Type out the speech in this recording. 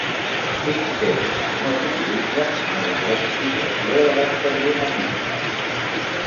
Quins termes no s'utilitzen en la classificació de les carbonatites?